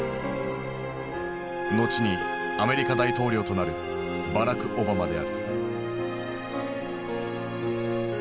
後にアメリカ大統領となるバラク・オバマである。